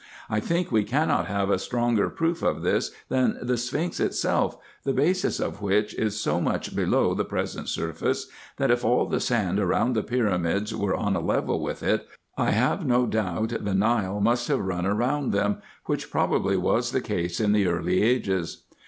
I think we cannot have a stronger proof of this than the sphinx itself, the basis of which is so much below the present surface, that if all the sand around the pyra mids were on a level with it, I have no doubt the Nile must have run round them, which probably was the case in the early ages.